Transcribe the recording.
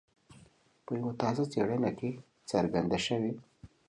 په یوه تازه څېړنه کې څرګنده شوي.